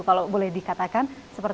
kalau boleh dikatakan